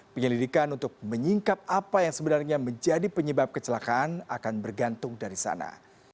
penyelidikan untuk menyingkap apa yang sebenarnya menjadi penyebab kecelakaan akan bergantung dari sana